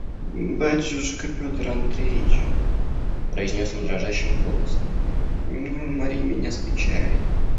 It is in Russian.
«Батюшка Петр Андреич, – произнес он дрожащим голосом, – не умори меня с печали.